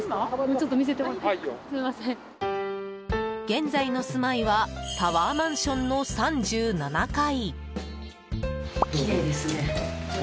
現在の住まいはタワーマンションの３７階。